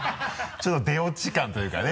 ちょっと出落ち感というかね。